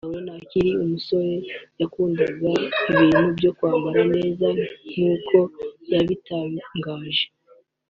Lauren akiri umusore yikundiraga ibintu byo kwambara neza nk’uko yabitangaje